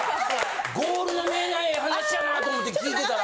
・ゴールの見えない話やなぁと思って聞いてたら。